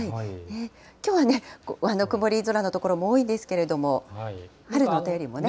きょうはね、曇り空の所も多いんですけれども、春のお便りもね。